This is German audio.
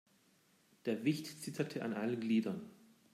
Der Wicht zitterte an allen Gliedern.